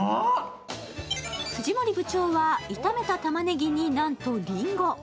藤森部長は炒めたたまねぎになんとりんご。